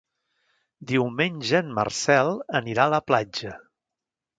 Diumenge en Marcel anirà a la platja.